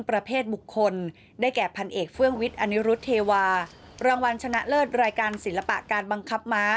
รางวัลชนะเลิศรายการศิลปะการบังคับม้า